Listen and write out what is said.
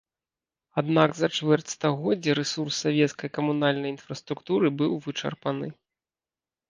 Аднак за чвэрць стагоддзя рэсурс савецкай камунальнай інфраструктуры быў вычарпаны.